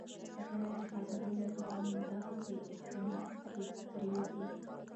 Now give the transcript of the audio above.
که سړى د ښځې غوندې په همدغسې اختناق کې پرېوځي